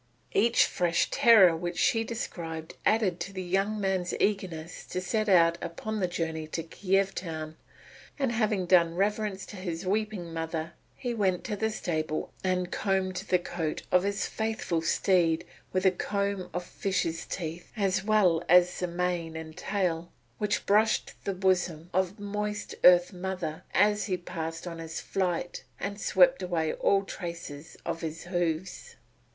Each fresh terror which she described added to the young man's eagerness to set out upon the journey to Kiev town; and having done reverence to his weeping mother he went to the stable and combed the coat of his faithful steed with a fine comb of fishes' teeth, as well as the mane and tail, which brushed the bosom of moist Mother Earth as he passed on his flight and swept away all traces of his hoofs.